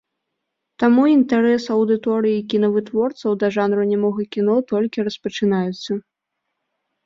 Таму інтарэс аўдыторыі і кінавытворцаў да жанру нямога кіно толькі распачынаецца.